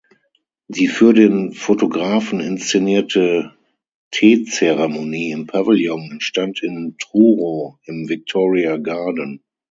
Die für den Fotografen inszenierte Teezeremonie im Pavillon entstand in Truro im Victoria Garden.